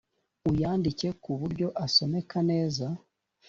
uyandike ku buryo asomeka neza.»